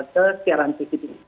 ke siaran tv digital